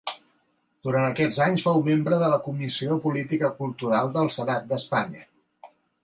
Durant aquests anys fou Membre de la Comissió de Política Cultural del Senat d'Espanya.